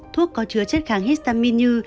thuốc có chứa chất kháng histamin như